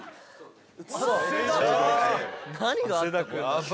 何があったの！？